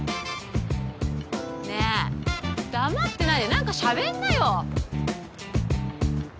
ねえ黙ってないでなんかしゃべんなよ！